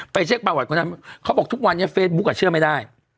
ไปเช็กประวัติของนายพรเทพเขาบอกทุกวันนี้เฟซบุ๊กอะเชื่อไม่ได้